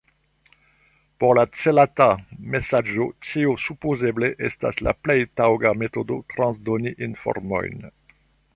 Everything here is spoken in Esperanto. Por la celata mesaĝo tio supozeble estas la plej taŭga metodo transdoni informojn.